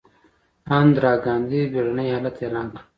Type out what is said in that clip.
اندرا ګاندي بیړنی حالت اعلان کړ.